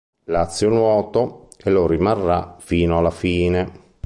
Lazio Nuoto, e lo rimarrà fino alla fine.